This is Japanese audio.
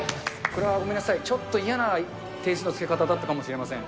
これはごめんなさい、ちょっと嫌な点数のつけ方だったかもしれません。